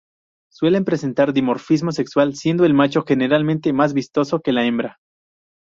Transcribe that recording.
Suelen presentar dimorfismo sexual, siendo el macho generalmente más vistoso que la hembra.